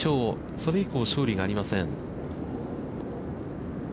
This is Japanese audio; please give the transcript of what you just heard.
それ以降、勝利がありません。